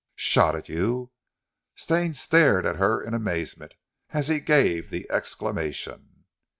"Shot at you!" Stane stared at her in amazement as he gave the exclamation.